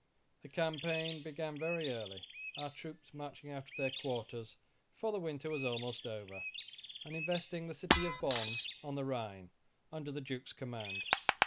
The campaign began very early, our troops marching out of their quarters before the winter was almost over, and investing the city of Bonn, on the Rhine, under the Duke's command.